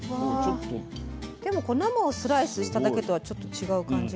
でもこう生をスライスしただけとはちょっと違う感じが。